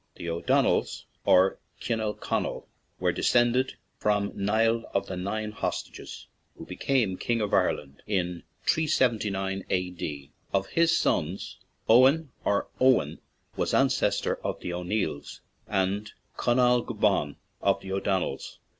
The O'Donnells, or Cinel Conall, were descend ed from Niall of the Nine Hostages, who became king of Ireland in 379 A.D. Of his sons, Eoghan, or Owen, was ancestor of the O'Neills, and Conall Gulban of the O'Donnells.